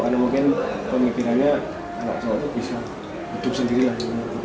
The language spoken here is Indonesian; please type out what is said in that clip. karena mungkin pemikirannya anak cowok itu bisa hidup sendirilah